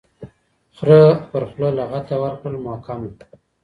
خره پرخوله لغته ورکړله محکمه